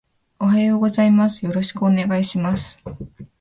おはようございます。よろしくお願いします